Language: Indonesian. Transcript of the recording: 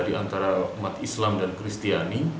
di antara umat islam dan kristiani